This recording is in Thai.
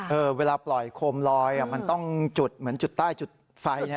เวลาปล่อยโคมลอยมันต้องจุดเหมือนจุดใต้จุดไฟ